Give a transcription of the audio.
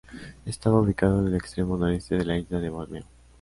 Estaba ubicado en el extremo noreste de la isla de Borneo.